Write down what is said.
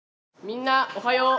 みんなおはよう。